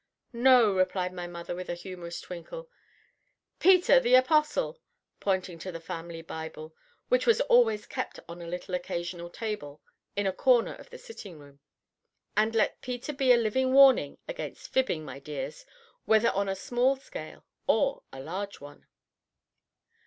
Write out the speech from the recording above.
"No," replied my mother, with a humorous twinkle, "Peter the Apostle," pointing to the Family Bible, which was always kept on a little occasional table in a corner of the sitting room. "And let Peter be a living warning against fibbing, my dears, whether on a small scale or a large one."